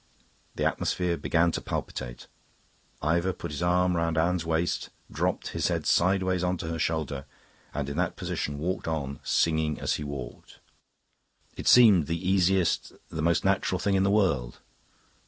The atmosphere began to palpitate. Ivor put his arm round Anne's waist, dropped his head sideways onto her shoulder, and in that position walked on, singing as he walked. It seemed the easiest, the most natural, thing in the world.